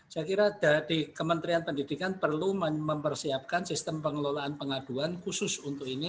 saya kira dari kementerian pendidikan perlu mempersiapkan sistem pengelolaan pengaduan khusus untuk ini